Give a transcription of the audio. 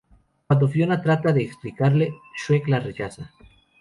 Cuando Fiona trata de explicarle, Shrek la rechaza.